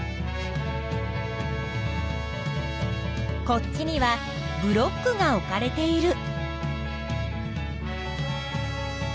こっちにはブロックが置かれている。